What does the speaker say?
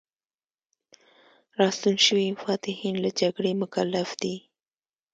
راستون شوي فاتحین له جګړې مکلف دي.